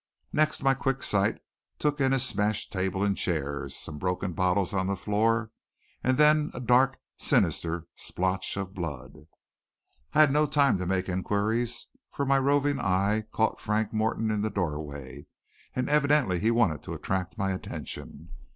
Next my quick sight took in a smashed table and chairs, some broken bottles on the floor, and then a dark sinister splotch of blood. I had no time to make inquiries, for my roving eye caught Frank Morton in the doorway, and evidently he wanted to attract my attention.